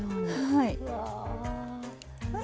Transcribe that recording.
はい。